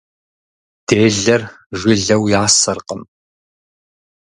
Делэр жылэу ясэркъым.